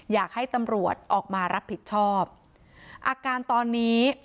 อยากให้ตำรวจออกมารับผิดชอบอาการตอนนี้